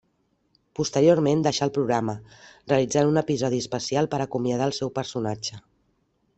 Posteriorment deixà el programa, realitzant un episodi especial per acomiadar el seu personatge.